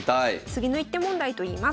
次の一手問題といいます。